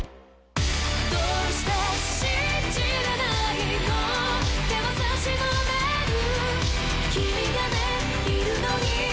「どうして信じれないの？」「手を差し伸べる君がねぇいるのに」